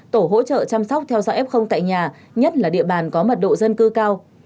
tổ hỗ trợ chăm sóc theo dõi f tại nhà nhất là địa bàn có mật độ dân cư cao